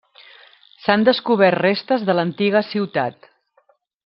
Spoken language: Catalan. S'han descobert restes de l'antiga ciutat.